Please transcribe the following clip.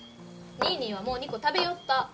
ニーニーはもう２個食べよった。